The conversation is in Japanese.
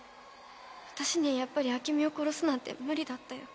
私にはやっぱり明美を殺すなんて無理だったよ。